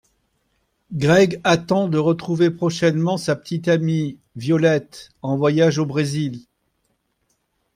Greg attend de retrouver prochainement sa petite amie Violette, en voyage au Brésil.